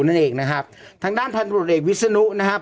นั่นเองนะครับทางด้านพันธุรกิจเอกวิศนุนะครับ